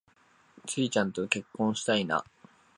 ツウィちゃんと結婚したいな